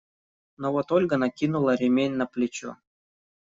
Но вот Ольга накинула ремень на плечо.